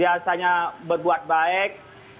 biasanya berbuat baik